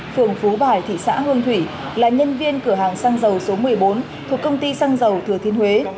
phường phú bài thị xã hương thủy là nhân viên cửa hàng xăng dầu số một mươi bốn thuộc công ty xăng dầu thừa thiên huế